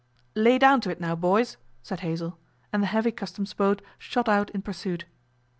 'Lay down to it now, boys!' said Hazell, and the heavy Customs boat shot out in pursuit.